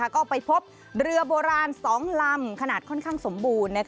ก็ไปพบเรือโบราณ๒ลำขนาดค่อนข้างสมบูรณ์